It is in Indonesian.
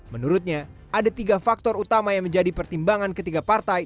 menurutnya ada tiga faktor utama yang menjadi pertimbangan ketiga partai